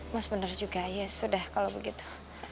mas benar juga ya sudah kalau begitu